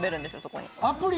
そこに。